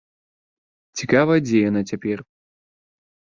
Цікава, дзе яна цяпер.